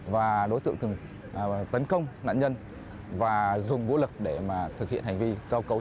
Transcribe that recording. và đối tượng lợi dụng lúc là nạn nhân chỉ ở một mình hoặc đơi vắng vẻ hoặc là những vào ban đêm mà không có khả năng kêu cứu